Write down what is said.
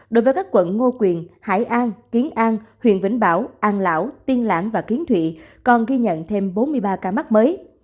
đối với các quận ngô quyền hải an kiến an huyện vĩnh bảo an lão tiên lãng và kiến thụy còn ghi nhận thêm bốn mươi ba ca mắc mới